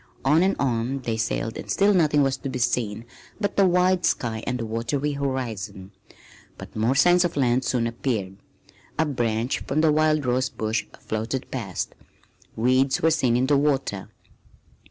On and on they sailed and still nothing was to be seen but the wide sky and the watery horizon. But more signs of land soon appeared. A branch from a wild rose bush floated past. Weeds were seen in the water.